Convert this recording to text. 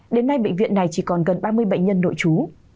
đến nay bệnh viện này chỉ còn gần ba mươi bệnh nhân nội trú